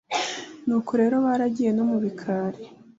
nuko rero baragiye no mu bikari,